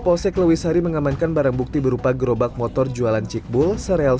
polsek lewisari mengamankan barang bukti berupa gerobak motor jualan cikbul sereal